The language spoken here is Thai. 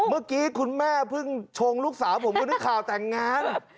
เมื่อกี้คุณแม่เพิ่งชงลูกสาวผมคนที่ข่าวแต่งงาน